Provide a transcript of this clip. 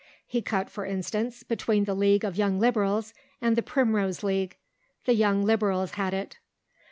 He cut, for instance, between the League of Young Liberals and the Primrose League. The Young Liberals had it.